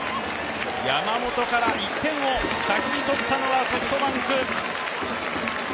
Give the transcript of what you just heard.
山本から１点を先に取ったのはソフトバンク。